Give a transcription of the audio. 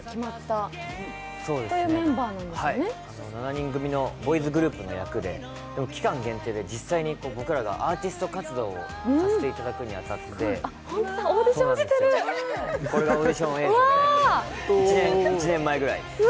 ７人組のボーイズグループの役で期間限定で実際に僕らがアーティスト活動をさせていただくにあたって、これがオーディションの映像で、１年ぐらい前です。